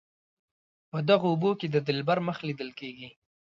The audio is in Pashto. په دغو اوبو کې د دلبر مخ لیدل کیږي.